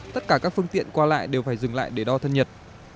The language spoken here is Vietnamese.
tất cả các phương tiện qua lại đều phải dừng lại để đo thân nhật